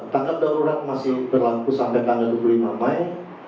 tanggap darurat masih berlaku sampai tanggal dua puluh lima mei